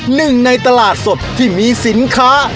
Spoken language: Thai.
หนึ่งในตลาดสดที่มีสินค้า